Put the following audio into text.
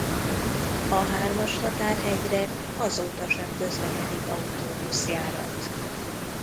A Hármashatár-hegyre azóta sem közlekedik autóbuszjárat.